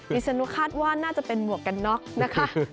ดิฉันคาดว่าน่าจะเป็นหมวกกันน็อกนะคะ